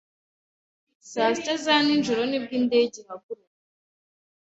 Sasita za ninjoro nibwo indege ihaguruka